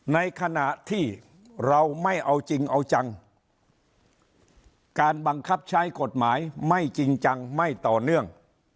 ในขณะที่เราไม่เอาจริงเอาจังการบังคับใช้กฎหมายไม่จริงจังไม่ต่อเนื่อง